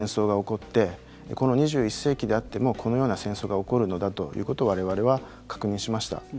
実際にウクライナで戦争が起こってこの２１世紀であってもこのような戦争が起こるのだということを我々は確認しました。